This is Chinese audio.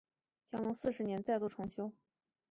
乾隆四十年再度重修。